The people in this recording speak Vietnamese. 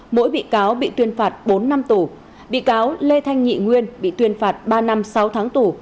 mỗi bị cáo bị tuyên phạt bốn năm tù bị cáo lê thanh nhị nguyên bị tuyên phạt ba năm sáu tháng tù